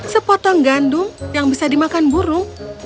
sepotong gandum yang bisa dimakan burung